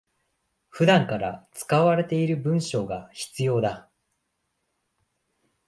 普段から使われている文章が必要だ